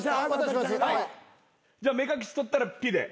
じゃあ目隠し取ったらピッで。